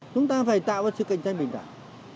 chúng ta phải tạo ra sự cạnh tranh bình đẳng